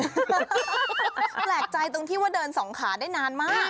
แปลกใจตรงที่ว่าเดินสองขาได้นานมาก